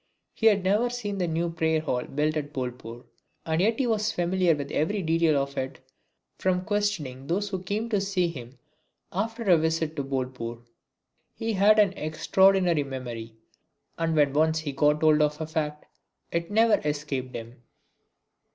He had never seen the new prayer hall built at Bolpur, and yet he was familiar with every detail of it from questioning those who came to see him after a visit to Bolpur. He had an extraordinary memory, and when once he got hold of a fact it never escaped him.